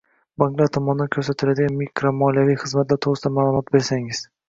Banklar tomonidan ko‘rsatiladigan mikromoliyaviy xizmatlar to‘g‘risida ma’lumot bersangiz?